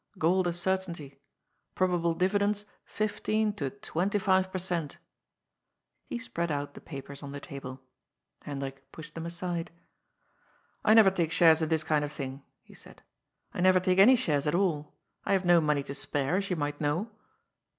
Gold a certainty. Probable dividends fifteen to twenty five per cent." He spread out the papers on the table. Hendrik pushed them aside. " I never take shares in this kind of thing," he said. " I never take any shares at all. I have no money to spare, as you might know."